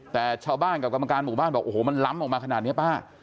แต่ชาวบ้านกับกรรมการหมู่บ้านบอกโอ้โหมันล้ำออกมาขนาดนี้ป้า